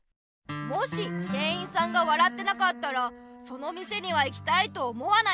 もし店員さんが笑ってなかったらその店には行きたいと思わない。